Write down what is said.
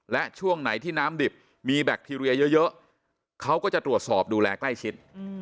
และช่วงไหนที่น้ำดิบมีแบคทีเรียเยอะเขาก็จะตรวจสอบดูแลใกล้ชิด